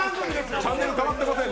チャンネル変わってませんね。